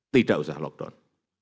tidak usah lockdown